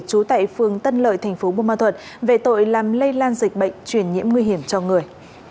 trú tại phường tân lợi tp bumal thuật về tội làm lây lan dịch bệnh chuyển nhiễm nguy hiểm cho người